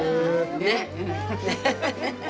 ねっ？